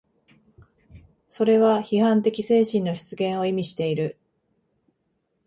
それは批判的精神の出現を意味している。